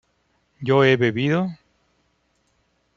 ¿yo he bebido?